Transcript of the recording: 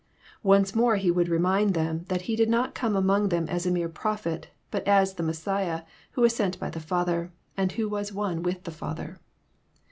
Once more He would remind them that he did not come among them as a mere Prophet, but as the Messiah who was sent by the Father, and who was one with the Father.